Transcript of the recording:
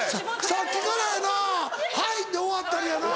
さっきからやな「はい！」で終わったりやな。